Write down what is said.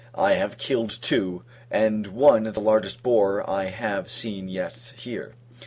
I have killed two, and one the largest boar I have seen yet here.